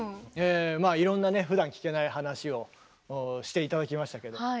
まあいろんなねふだん聞けない話をして頂きましたけども。